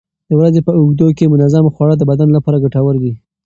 د ورځې په اوږدو کې منظم خواړه د بدن لپاره ګټور دي.